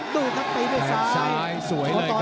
ดูครับตีด้วยซ้ายสวยเลยครับ